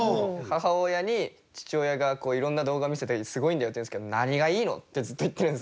母親に父親がいろんな動画見せて「すごいんだよ」って言うんですけど「何がいいの？」ってずっと言ってるんですよ。